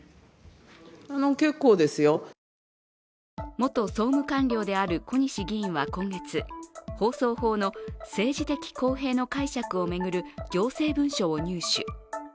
元総務官僚である小西議員は今月、放送法の政治的公平の解釈を巡る行政文書を入手。